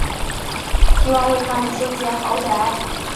齐王为他们修建豪宅。